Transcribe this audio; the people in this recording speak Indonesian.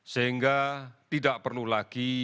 sehingga tidak perlu lagi